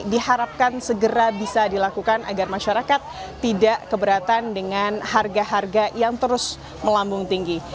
diharapkan segera bisa dilakukan agar masyarakat tidak keberatan dengan harga harga yang terus melambung tinggi